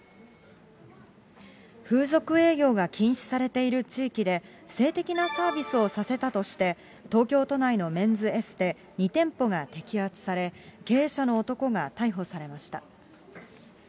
風俗営業が禁止されている地域で、性的なサービスをさせたとして、東京都内のメンズエステ、２店舗が摘発され、経営者の男が逮捕されました。